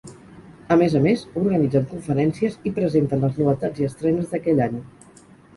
A més a més, organitzen conferències i presenten les novetats i estrenes d'aquell any.